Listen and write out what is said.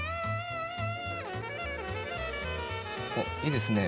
おっいいですね